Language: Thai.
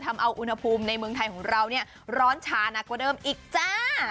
ทำเอาอุณหภูมิในเมืองไทยของเราเนี่ยร้อนชานักกว่าเดิมอีกจ้า